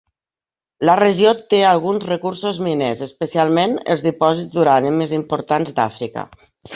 La regió té alguns recursos miners, especialment els dipòsits d'urani més importants d'Àfrica.